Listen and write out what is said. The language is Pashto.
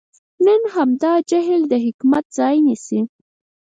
نن همدا جهل د حکمت ځای نیسي.